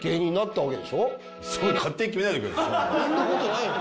そんなことないの？